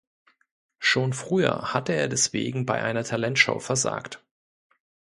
Schon früher hatte er deswegen bei einer Talentshow versagt.